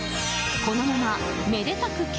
このままめでたく